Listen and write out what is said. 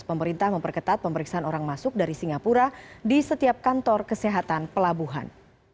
pemerintah memperketat pemeriksaan orang masuk dari singapura di setiap kantor kesehatan pelabuhan